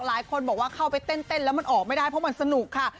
หลายคนบอกว่าเข้าไปเต้นแล้วมันออกไม่ได้เพราะมันสนุกค่ะ